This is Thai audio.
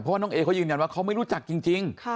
เพราะว่าน้องเอเขายืนยันว่าเขาไม่รู้จักจริง